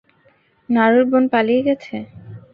নারুর বোন পালিয়ে গেছে?